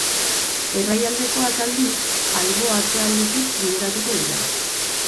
Errai aldekoak, aldiz, albo-atzealdetik bideratuko dira.